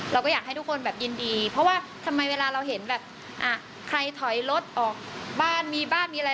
เราก็อยากให้ทุกคนแบบยินดีเพราะว่าทำไมเวลาเราเห็นแบบอ่ะใครถอยรถออกบ้านมีบ้านมีอะไร